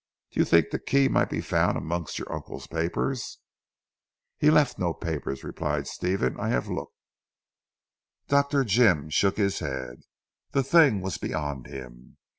Do you think the key might be found amongst your uncle's papers?" "He left no papers," replied Stephen, "I have looked." Dr. Jim shook his head. The thing was beyond him.